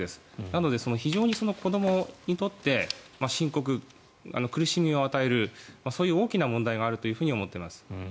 なので非常に子どもにとって深刻苦しみを与えるそういう大きな問題があると思っています。